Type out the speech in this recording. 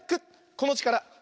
このちから。